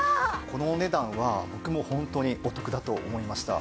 このお値段は僕もホントにお得だと思いました。